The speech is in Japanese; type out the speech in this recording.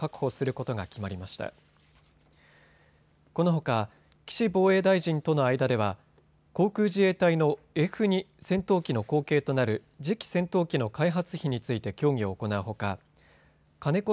このほか岸防衛大臣との間では航空自衛隊のＦ２戦闘機の後継となる次期戦闘機の開発費について協議を行うほか金子